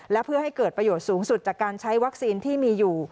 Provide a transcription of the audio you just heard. และเพื่อให้เกิดประโยชน์สูงสุดจากการใช้วัคซีนที่มีอยู่